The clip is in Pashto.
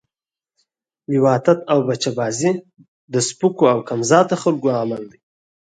لواطت او بچه بازی د سپکو کم ذات خلکو عمل ده